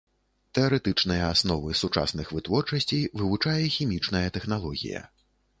Тэарэтычныя асновы сучасных вытворчасцей вывучае хімічная тэхналогія.